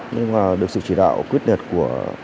nhưng mà được sự chỉ đạo quyết định của